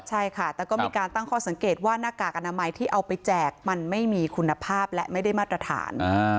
ใช่ค่ะแต่ก็มีการตั้งข้อสังเกตว่าหน้ากากอนามัยที่เอาไปแจกมันไม่มีคุณภาพและไม่ได้มาตรฐาน